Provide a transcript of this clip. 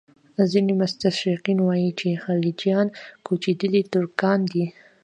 ځینې مستشرقین وایي چې خلجیان کوچېدلي ترکان دي.